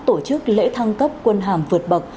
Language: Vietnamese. tổ chức lễ thăng cấp quân hàm vượt bậc